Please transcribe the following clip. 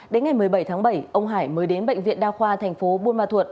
đến ngày một mươi bảy tháng bảy ông hải mới đến bệnh viện đa khoa thành phố buôn ma thuột